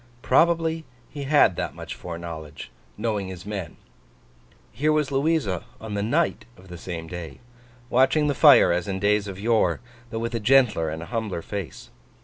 Probably he had that much foreknowledge, knowing his men. Here was Louisa on the night of the same day, watching the fire as in days of yore, though with a gentler and a humbler face.